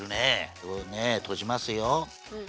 これをねとじますよ。